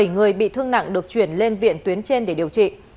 bảy người bị thương nặng được chuyển lên viện tuyến trên để điều trị